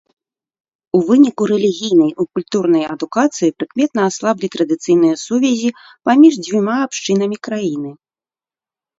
У выніку рэлігійнай і культурнай адукацыі прыкметна аслаблі традыцыйныя сувязі паміж дзвюма абшчынамі краіны.